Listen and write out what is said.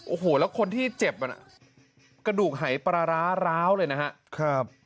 โอ้โหแล้วคนที่เจ็บกระดูกหายพราร้าร้าวเลยนะฮะ